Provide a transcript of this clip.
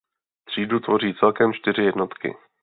Třídu tvoří celkem čtyři jednotky.